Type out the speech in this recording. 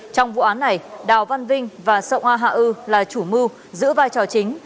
trong vụ án này đào văn vinh và sợng a hạ ư là chủ mưu giữ vai trò chính